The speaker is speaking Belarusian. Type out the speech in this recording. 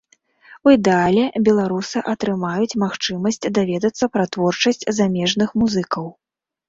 У ідэале беларусы атрымаюць магчымасць даведацца пра творчасць замежных музыкаў.